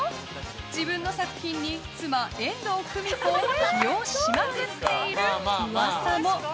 自分の作品に妻・遠藤久美子を起用しまくっている噂も。